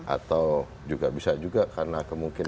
atau juga bisa juga karena kemungkinan